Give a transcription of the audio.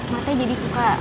matanya jadi suka